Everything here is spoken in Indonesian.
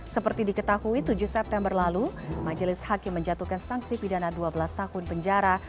seperti diketahui tujuh september lalu majelis hakim menjatuhkan sanksi pidana dua belas tahun penjara